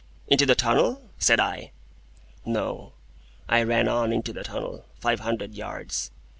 "Into the tunnel?" said I. "No. I ran on into the tunnel, five hundred yards.